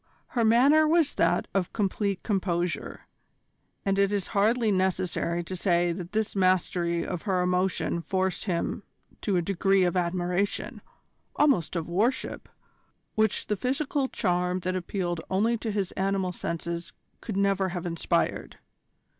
Her manner was that of complete composure, and it is hardly necessary to say that this mastery of her emotion forced him to a degree of admiration, almost of worship, which the physical charm that appealed only to his animal senses could never have inspired.